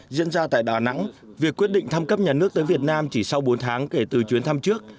diễn ra tại đà nẵng việc quyết định thăm cấp nhà nước tới việt nam chỉ sau bốn tháng kể từ chuyến thăm trước